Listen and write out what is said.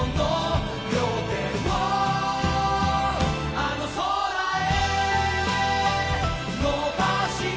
あの空へ！